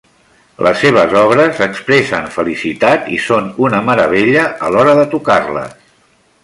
Les seves obres expressen felicitat i són una meravella a l'hora de tocar-les.